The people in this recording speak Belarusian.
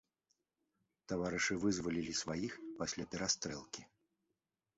Таварышы вызвалілі сваіх пасля перастрэлкі.